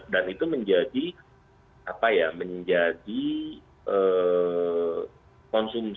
dan itu menjadi apa ya menjadi konsumen